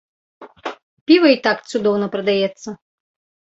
Піва і так цудоўна прадаецца.